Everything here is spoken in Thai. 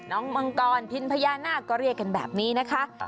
มังกรพินพญานาคก็เรียกกันแบบนี้นะคะ